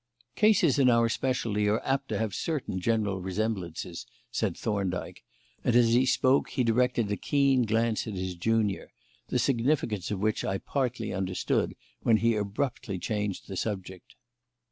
"Cases in our specialty are apt to have certain general resemblances," said Thorndyke; and as he spoke he directed a keen glance at his junior, the significance of which I partly understood when he abruptly changed the subject.